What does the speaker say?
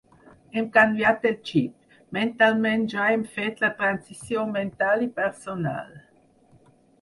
Hem canviat el xip, mentalment ja hem fet la transició mental i personal.